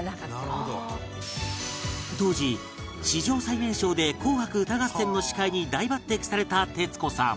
当時史上最年少で『紅白歌合戦』の司会に大抜擢された徹子さん